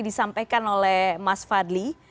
disampaikan oleh mas fadli